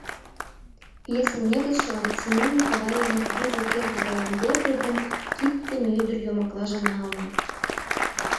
Пьесын негызшылан Семён Николаевын «Юзо керде да Ямберде» ден «Киддыме ӱдыр» йомаклажым налме.